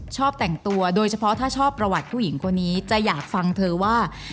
ชอบแต่งตัวโดยเฉพาะถ้าชอบประวัติผู้หญิงคนนี้จะอยากฟังเธอว่า